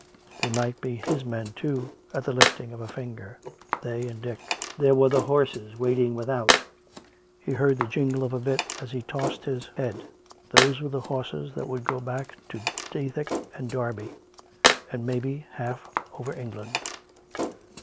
They might be his men, too, at the lifting of a finger — they and Dick. There were the horses waiting without; he heard the jingle of a bit as one tossed his head. Those were the horses that would go back to Dethick and Derby, and, may be, half over Eng land.